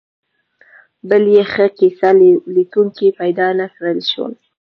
بل یې ښه کیسه لیکونکي پیدا نکړای شول.